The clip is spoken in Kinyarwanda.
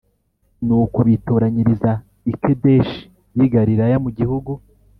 Nuko bitoranyiriza iKedeshi yi Galilaya mu gihugu